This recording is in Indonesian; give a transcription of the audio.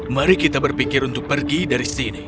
mari kita berpikir untuk pergi dari sini